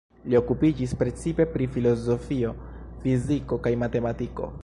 Li okupiĝis precipe pri filozofio, fiziko kaj matematiko.